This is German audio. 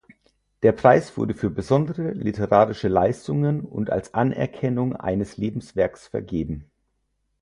Der Preis wurde für besondere literarische Leistungen und als Anerkennung eines Lebenswerks vergeben.